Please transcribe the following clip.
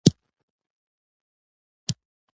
ځینې محصلین د وخت مدیریت ته ځانګړې پاملرنه کوي.